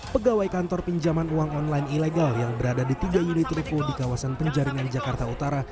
pegawai kantor pinjaman uang online ilegal yang berada di tiga unit repo di kawasan penjaringan jakarta utara